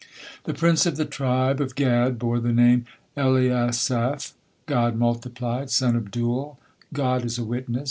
The prince of the tribe of Gad bore the name Eliasaph, "God multiplied;" son of Deuel, "God is a witness."